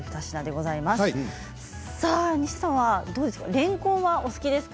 西田さんはれんこんは、お好きですか？